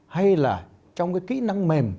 hay là trong cái kỹ năng mềm